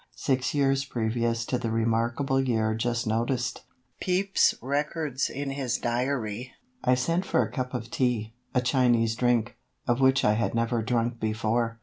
Six years previous to the remarkable year just noticed, Pepys records in his "Diary": "I sent for a cup of Tea, a Chinese drink, of which I had never drunk before."